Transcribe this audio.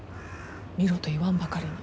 見ろと言わんばかりに。